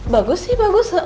bagus sih bagus